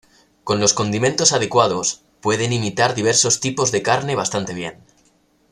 Con los condimentos adecuados, pueden imitar diversos tipos de carne bastante bien.